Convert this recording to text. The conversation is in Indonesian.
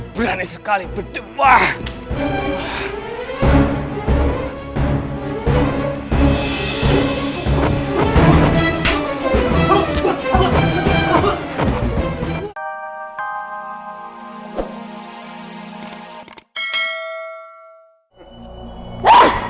berani sekali berdebar